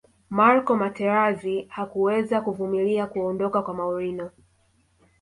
marco materazi hakuweza kuvumilia kuondoka kwa mourinho